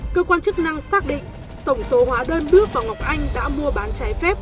cơ quan chức năng xác định tổng số hóa đơn bước và ngọc anh đã mua bán trái phép